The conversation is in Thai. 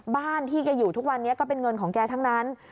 บ้านที่แกอยู่ทุกวันนี้ก็เป็นเงินของแกทั้งนั้น